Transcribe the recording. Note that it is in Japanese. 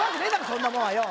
そんなもんはよ！